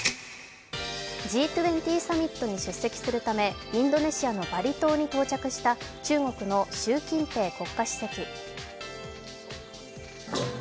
Ｇ２０サミットに出席するためインドネシアのバリ島に到着した中国の習近平国家主席。